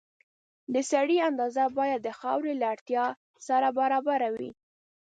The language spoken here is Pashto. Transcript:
د سرې اندازه باید د خاورې له اړتیا سره برابره وي.